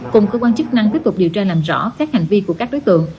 cùng cơ quan chức năng tiếp tục điều tra làm rõ các hành vi của các đối tượng